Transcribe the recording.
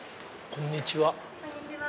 こんにちは。